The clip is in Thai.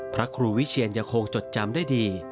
พระครูวิเชียนยังคงจดจำได้ดี